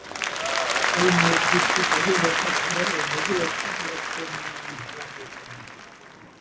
এ মসজিদটি বহু বছর ধরে ও বহু অর্থ খরচ করে নির্মাণ করা হয়েছিল।